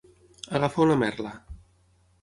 Agafar una merla.